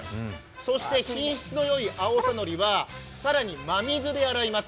そして品質のよい青さのりは更に真水で洗います。